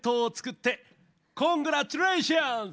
コングラッチュレーションズ！